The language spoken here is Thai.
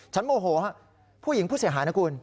โมโหฮะผู้หญิงผู้เสียหายนะคุณ